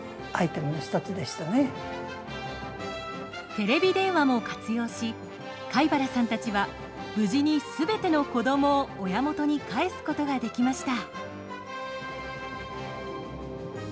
テレビ電話も活用し飼原さんたちは無事にすべての子どもを親元に返すことができました。